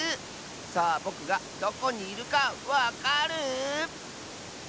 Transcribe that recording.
さあぼくがどこにいるかわかる？